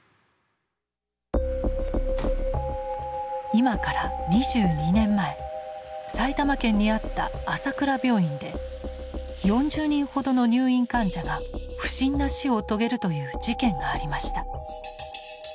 今から２２年前埼玉県にあった朝倉病院で４０人ほどの入院患者が不審な死を遂げるという事件がありました。